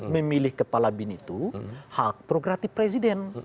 memilih kepala bin itu hak progratif presiden